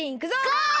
ゴー！